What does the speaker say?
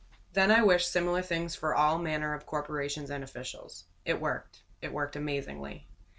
Then I wished similar things for all manner of corporations and officials. It worked. It worked amazingly.